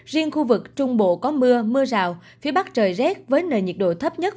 riêng khu vực trung bộ có mưa mưa rào phía bắc trời rét với nền nhiệt độ thấp nhất